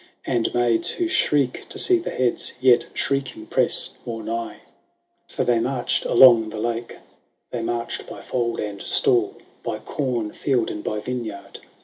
And maids who shriek to see the heads, Yet, shrieking, press more nigh. So they marched along the lake ; They inarched by fold and stall. By corn field and by vineyard.